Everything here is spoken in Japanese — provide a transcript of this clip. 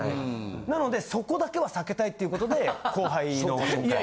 なのでそこだけは避けたいっていうことで後輩の送り迎え。